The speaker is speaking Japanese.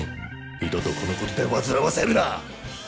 二度とこのことで煩わせるな！